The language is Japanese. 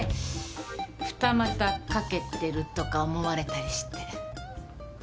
ふた股かけてるとか思われたりして。